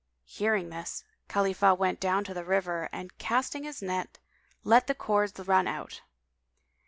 Hearing this Khalifah went down to the river and casting his net, let the cords run out.